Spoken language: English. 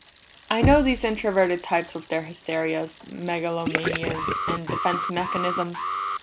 "I know these introverted types with their hysterias, megalomanias, and defense mechanisms!